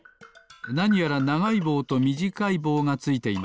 なにやらながいぼうとみじかいぼうがついています。